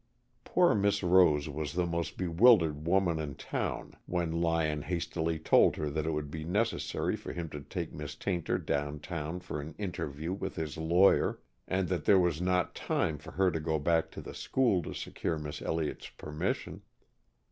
Poor Miss Rose was the most bewildered woman in town when Lyon hastily told her that it would be necessary for him to take Miss Tayntor down town for an interview with his lawyer, and that there was not time for her to go back to the school to secure Miss Elliott's permission.